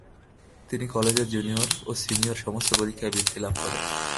তিনি কলেজের জুনিয়র ও সিনিয়র সমস্ত পরীক্ষায় বৃত্তি লাভ করেন।